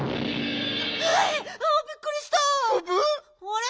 あれ？